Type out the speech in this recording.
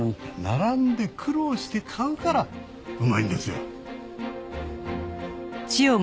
並んで苦労して買うからうまいんですよ。